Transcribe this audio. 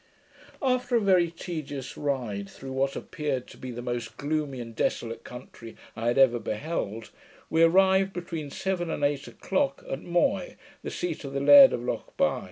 After a very tedious ride, through what appeared to me the most gloomy and desolate country I had ever beheld, we arrived, between seven and eight o'clock, at Moy, the seat of the Laird of Lochbuy.